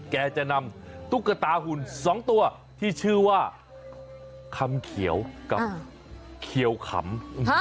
แกจะนำตุ๊กตาหุ่น๒ตัวที่ชื่อว่าคำเขียวกับเขียวขำ